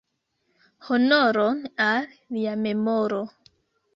Honoron al lia memoro!